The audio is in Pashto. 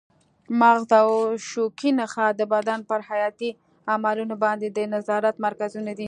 مغز او شوکي نخاع د بدن پر حیاتي عملونو باندې د نظارت مرکزونه دي.